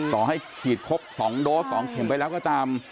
ต่อให้ฉีดครบ๒โดส๒เข็มไปแล้วก็ตาม